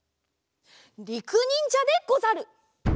りくにんじゃでござる！